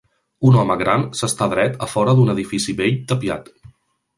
Un home gran s'està dret a fora d'un edifici vell tapiat.